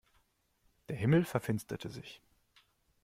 Der Himmel verfinsterte sich.